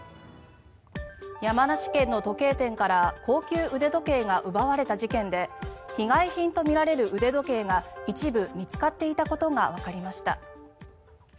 山梨県の時計店から高級腕時計が奪われた事件で被害品とみられる腕時計が一部、見つかっていたことがわかりました。